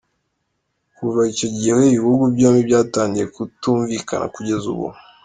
Kuva icyo gihe ibihugu byombi byatangiye kutumvikana kugeza ubu.